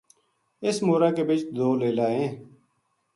اس مورا کے بچ دو لیلا ہیں